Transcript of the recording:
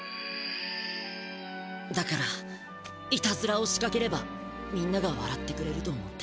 だからいたずらを仕かければみんながわらってくれると思って。